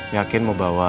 yakin mau bawa